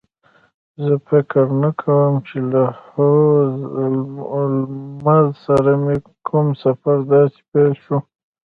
زه فکر نه کوم چې له هولمز سره مې کوم سفر داسې پیل شو